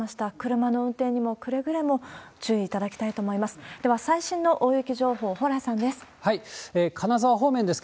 車の運転にもくれぐれも注意いただきたいと思います。